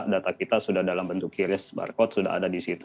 data kita sudah dalam bentuk kiris barcode sudah ada di situ